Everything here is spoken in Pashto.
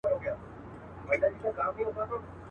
وزيرانو ته پرې ايښى بې دربار وو.